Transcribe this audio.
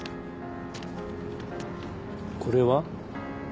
これは？